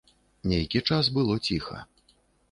Нейкі час было ціха.